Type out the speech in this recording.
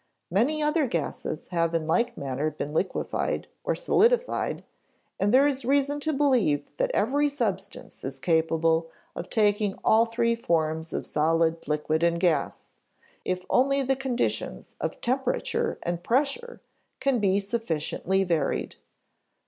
Many other gases have in like manner been liquefied or solidified, and there is reason to believe that every substance is capable of taking all three forms of solid, liquid, and gas, if only the conditions of temperature and pressure can be sufficiently varied.